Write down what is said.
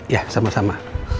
ya sama sama